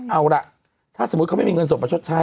เอาล่ะถ้าสมมุติเขาไม่มีเงินสดมาชดใช้